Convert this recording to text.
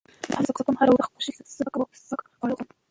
زه هڅه کوم هره ورځ د خپل خوښې سپک خواړه وخورم.